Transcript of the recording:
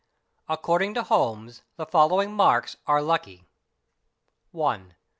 According to Holmes the following marks are lucky :—. 1.